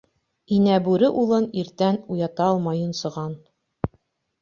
Инә Бүре улын иртән уята алмай йонсоған.